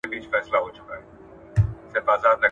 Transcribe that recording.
پوهانو د نفوسو او عاید پر اړیکه څیړنې کړې وې.